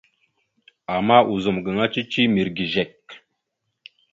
Ama ozum gaŋa cici mirəgezekw.